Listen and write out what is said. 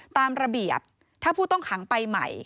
ตามระเบียบถ้าผู้ต้องขังไปใหม่